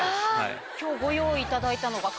今日ご用意いただいたのが。